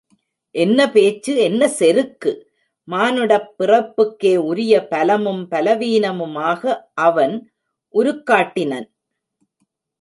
என்ன பேச்சு, என்ன செருக்கு... மானுடப் பிறப்புக்கே உரிய பலமும் பலவீனமுமாக அவன் உருக்காட்டினன்!